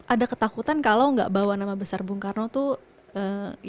ada ketakutan kalau nggak bawa nama besar bung karno tuh